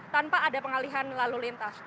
tanpa ada pengalihan lalu lintas